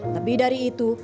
lebih dari itu